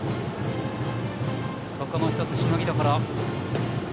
ここも１つ、しのぎどころ。